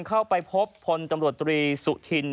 เข้าไปพบพลตำรวจตรีสุธิน